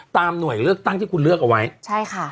หน่วยเลือกตั้งที่คุณเลือกเอาไว้ใช่ค่ะ